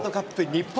日本！